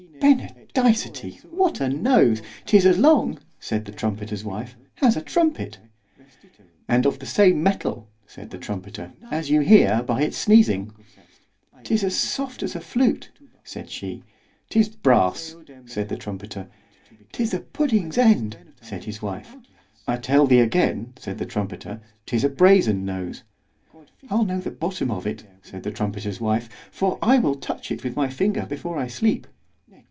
Benedicity!——What a nose! 'tis as long, said the trumpeter's wife, as a trumpet. And of the same metal said the trumpeter, as you hear by its sneezing. 'Tis as soft as a flute, said she. —'Tis brass, said the trumpeter. —'Tis a pudding's end, said his wife. I tell thee again, said the trumpeter, 'tis a brazen nose, I'll know the bottom of it, said the trumpeter's wife, for I will touch it with my finger before I sleep.